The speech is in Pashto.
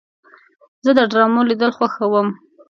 زه د ډرامو لیدل خوښوم.